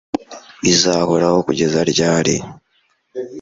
bizabahoraho kugeza ryari